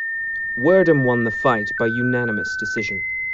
Werdum won the fight by unanimous decision.